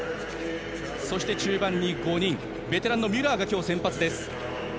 そして中盤に５人ベテランのミュラーが今日、先発です。